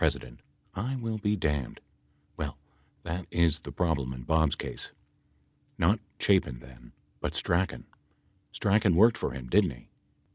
I will be damned ! Well that is the problem in Bob's case. Not Chapin then, but Strachan. Strachan worked for him, didn't he